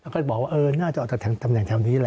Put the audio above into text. ก็บอกว่าเออน่าจะออกแถวละ